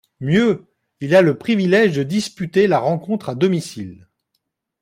Mieux, il a le privilège de disputer la rencontre à domicile.